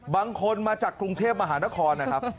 บางคนมาจากกรุงเทพมหานครนะครับ